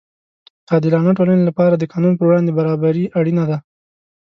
د عادلانه ټولنې لپاره د قانون پر وړاندې برابري اړینه ده.